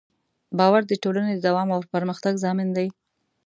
باور د ټولنې د دوام او پرمختګ ضامن دی.